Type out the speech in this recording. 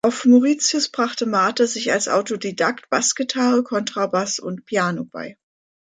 Auf Mauritius brachte Marthe sich als Autodidakt Bassgitarre, Kontrabass und Piano bei.